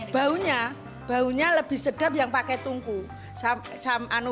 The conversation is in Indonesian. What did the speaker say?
baunya baunya lebih sedap yang pakai tungku